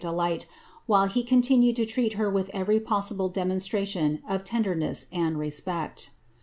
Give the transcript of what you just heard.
delight, while he continued to treat her with every possible demonstra tion of tenderness and res|>ect.'